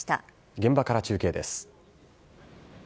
現場から中継です。